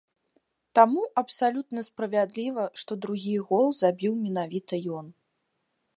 Таму абсалютна справядліва, што другі гол забіў менавіта ён.